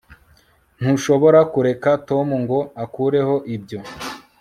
ntushobora kureka tom ngo akureho ibyo